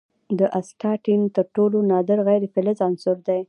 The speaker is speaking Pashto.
د اسټاټین تر ټولو نادر غیر فلزي عنصر دی.